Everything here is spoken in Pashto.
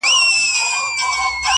زه به د غم تخم کرم ژوندی به یمه!